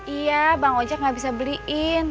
iya bang ojek nggak bisa beliin